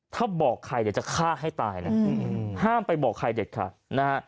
ถ้าบอกใครเด็กจะฆ่าให้ตายห้ามไปบอกใครเด็กค่ะ